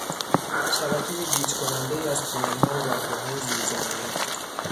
شبکهی گیج کنندهای از تونلها و راهروهای زیرزمینی